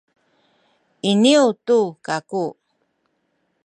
iniyu tu kaku